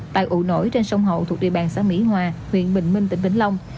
tại ủ nổi trên sông hậu thuộc địa bàn xã mỹ hòa huyện bình minh tỉnh vĩnh long